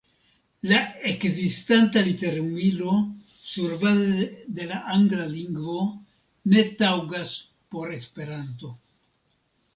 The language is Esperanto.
La ekzistanta literumilo surbaze de la angla lingvo ne taŭgas por Esperanto.